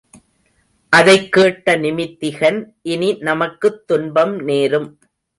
அதைக் கேட்ட நிமித்திகன், இனி நமக்குத் துன்பம் நேரும்.